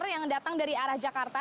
yang datang dari arah jakarta